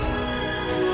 kembali ke rumah saya